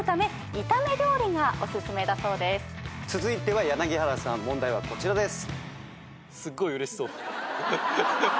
続いては柳原さん問題はこちらです。